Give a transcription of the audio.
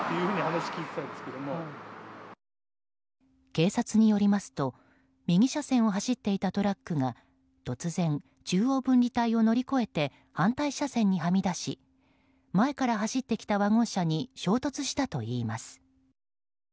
警察によりますと右車線を走っていたトラックが突然、中央分離帯を乗り越えて反対車線にはみ出し前から走ってきたワゴン車に衝突したといいます。